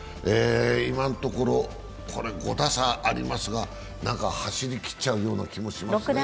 今のところ５打差ありますか何か走り切っちゃうような気がしますね。